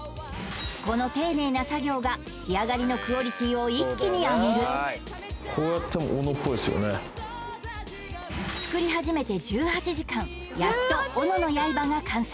この丁寧な作業が仕上がりのクオリティを一気に上げる作り始めて１８時間やっと斧の刃が完成！